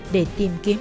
để tìm kiếm